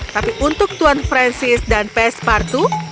tapi untuk tuan francis dan pespartu